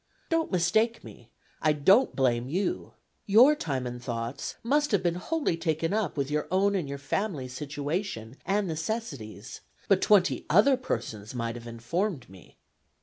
Don't mistake me. I don't blame you. Your time and thoughts must have been wholly taken up with your own and your family's situation and necessities; but twenty other persons might have informed me.